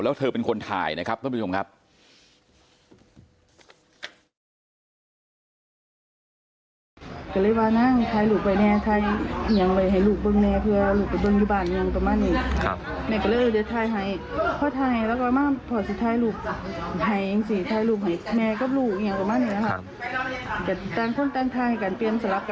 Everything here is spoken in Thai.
แล้วเธอเป็นคนถ่ายนะครับท่านผู้ชมครับ